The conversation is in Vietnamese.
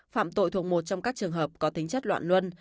phạm tội thuộc một trong các trường hợp có tính chất loạn luân